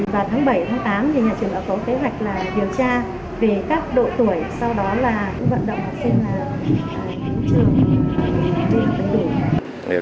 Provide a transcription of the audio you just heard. vào tháng bảy tháng tám thì nhà trường đã có kế hoạch là điều tra về các độ tuổi sau đó là vận động học sinh đến trường